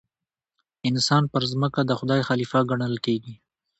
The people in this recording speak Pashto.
انسان پر ځمکه د خدای خلیفه ګڼل کېږي.